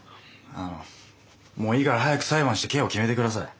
あのもういいから早く裁判して刑を決めてください。